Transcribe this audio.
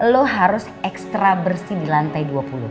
lo harus ekstra bersih di lantai dua puluh